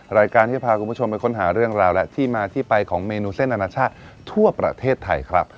รายการที่จะพาคุณผู้ชมไปค้นหาเรื่องราวและที่มาที่ไปของเมนูเส้นอนาชาติทั่วประเทศไทยครับ